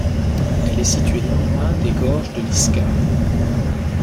Elle est située non loin des gorges de l'Iskar.